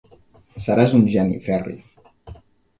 Seràs un geni, Ferri.